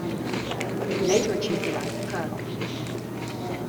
He later achieved the rank of Colonel.